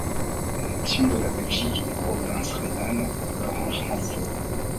L’annexion de la Belgique et des provinces rhénanes le rend français.